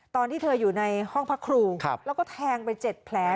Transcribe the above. ตอนที่เธออยู่ในห้องพระครูแล้วก็แทงไป๗แผล